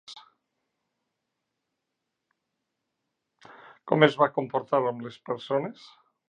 Com es va comportar amb les persones?